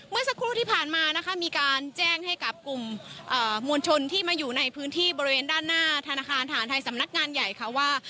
เมื่อสักครู่ที่ผ่านมานะคะมีการแจ้งให้กับกลุ่มมวลชนที่มาอยู่ในพื้นที่บริเวณด้านหน้าธนาคารฐานไทยสำนักงานใหญ่ค่ะว่า